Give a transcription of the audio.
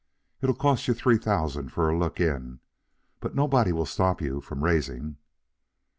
"It'll cost you three thousand for a look in, but nobody will stop you from raising."